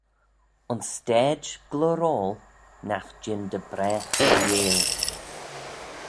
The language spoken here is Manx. Ayns stayd gloyroil nagh jean dy bragh failleil.